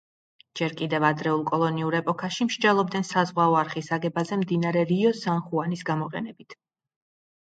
ჯერ კიდევ ადრეულ კოლონიურ ეპოქაში მსჯელობდნენ საზღვაო არხის აგებაზე მდინარე რიო სან ხუანის გამოყენებით.